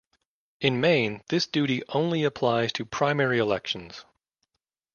In Maine, this duty "only" applies to primary elections.